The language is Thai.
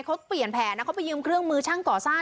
เขาเปลี่ยนแผนนะเขาไปยืมเครื่องมือช่างก่อสร้าง